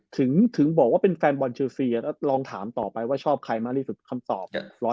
ถึงบอกว่าเป็นแฟนบอลเชลซีแล้วลองถามต่อไปว่าชอบใครมากที่สุดคำตอบ